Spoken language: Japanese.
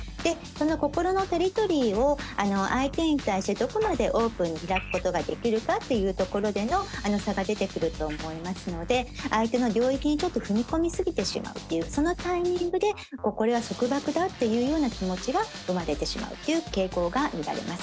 心のテリトリーを相手に対してどこまでオープンに開くことができるかっていうところでの差が出てくると思いますので相手の領域にちょっと踏み込み過ぎてしまうっていうそのタイミングでこれは束縛だっていうような気持ちが生まれてしまうという傾向が見られます。